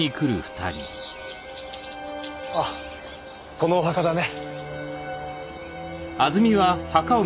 あっこのお墓だね。